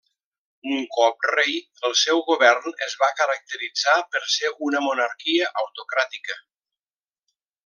Un cop rei, el seu govern es va caracteritzar per ser una monarquia autocràtica.